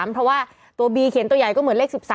เพราะว่าตัวบีเขียนตัวใหญ่ก็เหมือนเลข๑๓